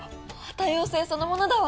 多様性そのものだわ。